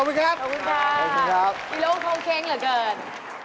ขอบคุณครับนี่คือครับคุณลูกเขาเค้งเหรอเกิด